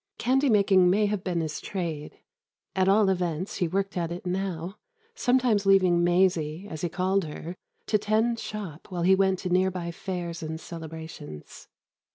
Candy making may have been his trade; at all events, he worked at it now, sometimes leaving "Maysie," as he called her, to tend shop while he went to nearby fairs and celebrations.